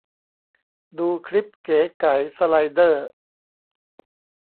ดูคลิปเก๋ไก๋ สไลเดอร์